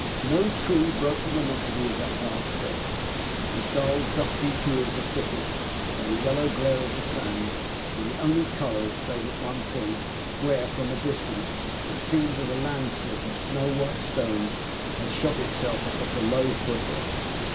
No tree broke the monotony of that vast desert. The dull, dusty hue of the thickets, and the yellow glare of the sand, were the only colours, save at one point, where, from a distance, it seemed that a land slip of snow white stones had shot itself across a low foot hill.